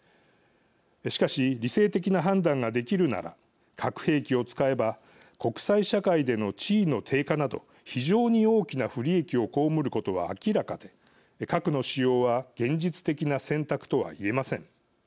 しかし理性的な判断ができるなら核兵器を使えば国際社会での地位の低下など非常に大きな不利益を被ることは明らかで核の使用は現実的な選択とは言えません。